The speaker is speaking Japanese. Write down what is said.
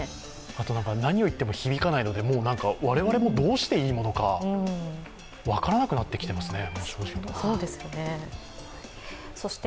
あと、何を言っても響かないので我々もどうしていいものか、分からなくなってきていますね。